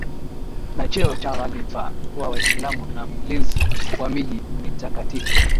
na cheo cha khalifa wa Waislamu na mlinzi wa miji mitakatifu